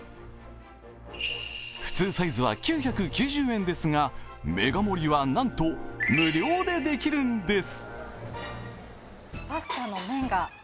普通サイズは９９０円ですがメガ盛りはなんと、無料でできるんです。